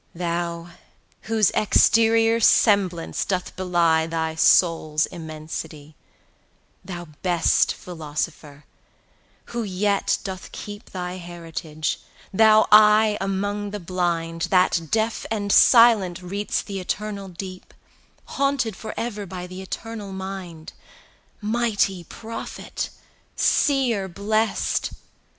Thou, whose exterior semblance doth belie Thy soul's immensity; 110 Thou best philosopher, who yet dost keep Thy heritage, thou eye among the blind, That, deaf and silent, read'st the eternal deep, Haunted for ever by the eternal mind,— Mighty prophet! Seer blest!